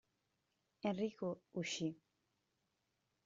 Enrico uscì.